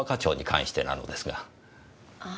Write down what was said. ああ。